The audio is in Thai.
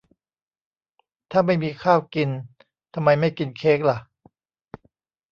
ถ้าไม่มีข้าวกิน ทำไมไม่กินเค้กละ